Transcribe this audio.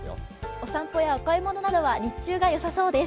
お散歩やお買い物などは日中がよさそうです。